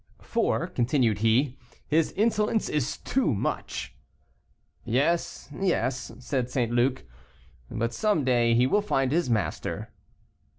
"For," continued he, "his insolence is too much." "Yes, yes," said St. Luc, "but some day he will find his master."